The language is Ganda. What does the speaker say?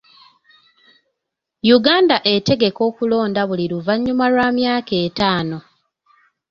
Uganda etegeka okulonda buli luvannyuma lwa myaka etaano.